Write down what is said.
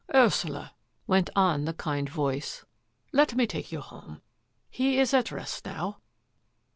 " Ursula," went on the kind voice, " let me take you home. He is at rest now."